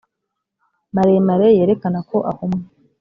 maremare yerekana ko ahumwe